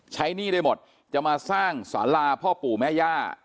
หนี้ได้หมดจะมาสร้างสาราพ่อปู่แม่ย่า